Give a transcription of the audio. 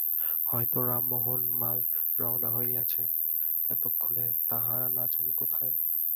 হয়ত রামমােহন মাল রওনা হইয়াছে, এতক্ষণে তাহারা না জানি কোথায়!